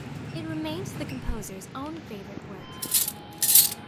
It remained the composer's own favorite work.